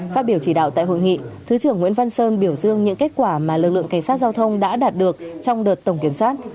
phát biểu chỉ đạo tại hội nghị thứ trưởng nguyễn văn sơn biểu dương những kết quả mà lực lượng cảnh sát giao thông đã đạt được trong đợt tổng kiểm soát